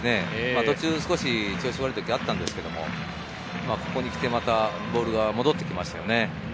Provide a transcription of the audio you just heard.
途中、少し調子悪い時があったんですけど、ここに来てまたボールが戻ってきましたよね。